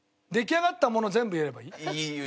出来上がったもの全部言えればいい？